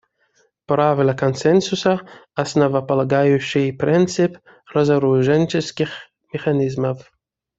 Правило консенсуса − основополагающий принцип разоруженческих механизмов.